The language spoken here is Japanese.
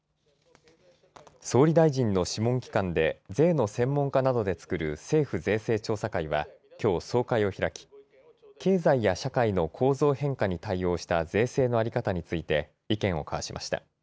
総理大臣の諮問機関で税の専門家などで作る政府税制調査会はきょう総会を開き経済や社会の構造変化に対応した税制の在り方について意見を交わしました。